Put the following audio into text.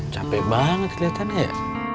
capek banget keliatan ya